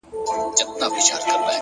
مهرباني د زړه یخ ویلې کوي